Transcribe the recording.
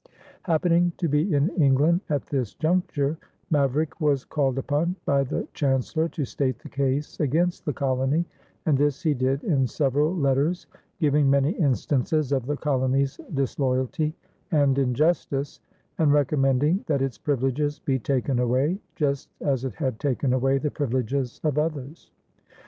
Happening to be in England at this juncture, Maverick was called upon by the Chancellor to state the case against the colony, and this he did in several letters, giving many instances of the colony's disloyalty and injustice, and recommending that its privileges be taken away, just as it had taken away the privileges of others.